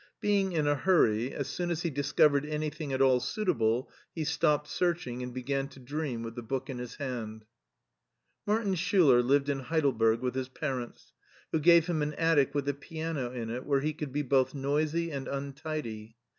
Being in a hurry, as soon as he discovered anything at all suitable he stopped searching and began to dream with the book in his hand. Martin Schiiler lived in Heidelberg with his parents, who gave him an attic with a piano in it where he could be both noisy and untidy.